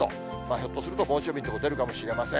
ひょっとすると猛暑日の所出るかもしれません。